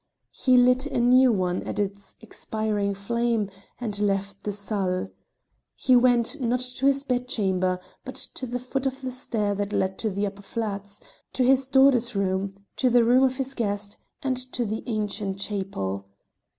He lit a new one at its expiring flame and left the salle. He went, not to his bedchamber, but to the foot of the stair that led to the upper flats, to his daughter's room, to the room of his guest, and to the ancient chapel.